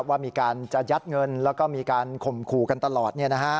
ว่ามีการจะยัดเงินแล้วก็มีการข่มขู่กันตลอด